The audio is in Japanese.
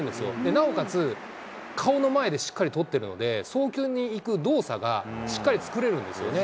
なおかつ、顔の前でしっかり捕ってるので、送球にいく動作がしっかり作れるんですよね。